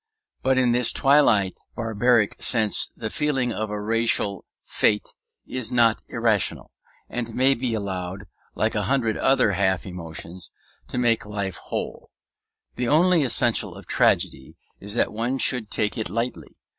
But in this twilight barbaric sense the feeling of a racial fate is not irrational, and may be allowed like a hundred other half emotions that make life whole. The only essential of tragedy is that one should take it lightly.